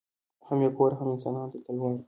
هم یې کور هم انسانانو ته تلوار وو